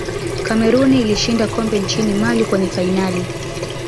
cameroon ilishinda kombe nchini mali kwenye fainali